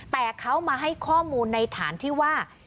แต่เขามาให้ข้อมูลในฐานที่ว่า